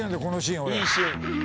このシーン俺。